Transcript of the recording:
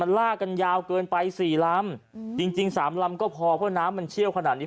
มันลากกันยาวเกินไปสี่ลำอืมจริงจริงสามลำก็พอเพราะน้ำมันเชี่ยวขนาดนี้